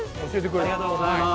ありがとうございます。